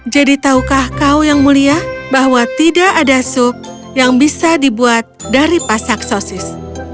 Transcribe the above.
jadi tahukah kau yang mulia bahwa tidak ada sup yang bisa dibuat dari pasak sosis